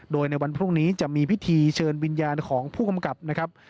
โดยในวันพรุ่งนี้จะมีพิธีเชิญวิญญาณของผู้กำกับนะครับ